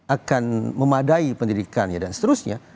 akan memadai pendidikannya dan seterusnya